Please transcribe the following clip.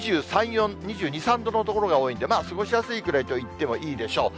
２２、３度の所が多いんで、まあ過ごしやすいくらいといってもいいでしょう。